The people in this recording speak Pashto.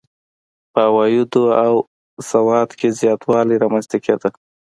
په عوایدو او سواد کې زیاتوالی رامنځته کېده.